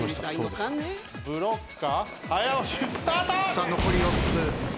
さあ残り４つ。